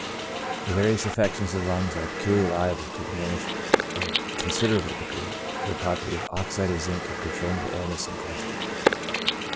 The various affections of the lungs are peculiarly liable to dimin ish, in a considerable degree, the property of oxide of zinc of controlling the illness in question.